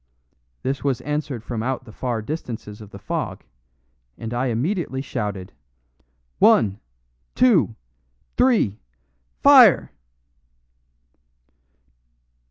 This was answered from out the far distances of the fog, and I immediately shouted: "One two three FIRE!"